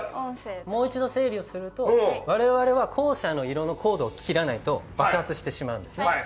もう一度整理をすると、我々は校舎の色のコードを切らないと爆発してしまうんですね。